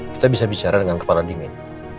kita bisa bicara dengan kepala dingin